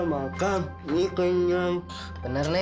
sekarangiendang ini anak sekolah anda yang diberkati